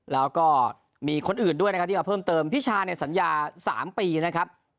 แล้วก็มีคนอื่นด้วยนะครับที่เอาเพิ่มเติมพิชาเนี่ยสัญญา๓ปีนะครับ